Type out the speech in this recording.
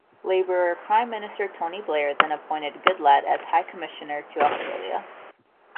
Labour Prime Minister Tony Blair then appointed Goodlad as High Commissioner to Australia.